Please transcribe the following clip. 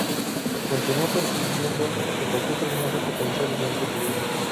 Continúo persiguiendo a cualquier personaje potencialmente peligroso.